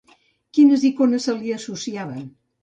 Quines icones se li associaven?